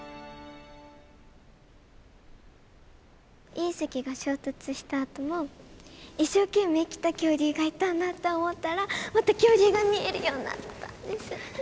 隕石が衝突したあとも一生懸命生きた恐竜がいたんだって思ったらまた恐竜が見えるようになったんです。